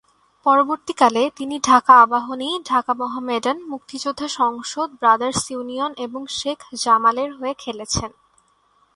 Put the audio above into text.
পরবর্তীকালে, তিনি Dhaka Abahani, Dhaka Mohammedan, Muktijoddha Sangsad, Brothers Union এবং শেখ জামালের হয়ে খেলেছেন।